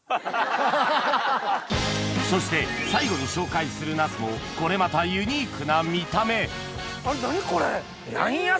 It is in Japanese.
そして最後に紹介するナスもこれまたユニークな見た目何や？